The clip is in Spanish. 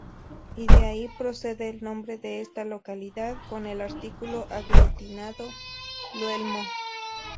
Y de ahí procede el nombre de esta localidad, con el artículo aglutinado: L’uelmo.